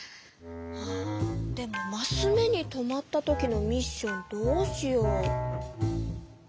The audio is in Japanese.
あでもマス目に止まった時のミッションどうしよう？